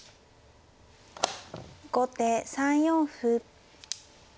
後手３四歩。